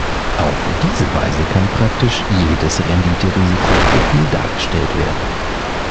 Auf diese Weise kann praktisch jedes Rendite-Risiko-Profil dargestellt werden.